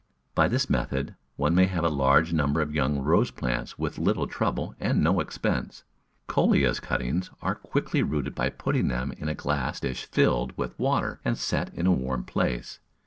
By this method one may have a large number of young Rose plants with little trouble and no expense. Coleus cuttings are quickly rooted by putting them in a glass dish filled with water and set in a warm place.